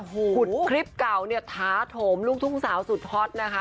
ขุดคลิปเก่าเนี่ยท้าโถมลูกทุ่งสาวสุดฮอตนะคะ